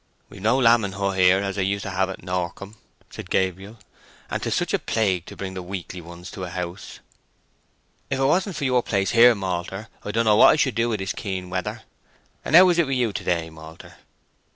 "We've no lambing hut here, as I used to have at Norcombe," said Gabriel, "and 'tis such a plague to bring the weakly ones to a house. If 'twasn't for your place here, malter, I don't know what I should do i' this keen weather. And how is it with you to day, malter?"